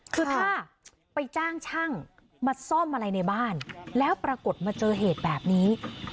คือถ้าไปจ้างช่างมาซ่อมอะไรในบ้านแล้วปรากฏมาเจอเหตุแบบนี้